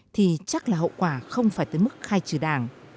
thì chắc là hậu quả không phải tới mức khai trừ đảng